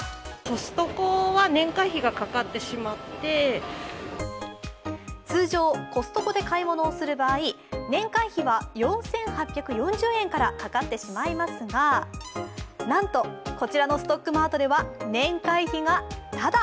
その理由は通常、コストコで買い物をする場合、年会費は４８４０円からかかってしまいますがなんと、こちらのストックマートでは年会費がタダ。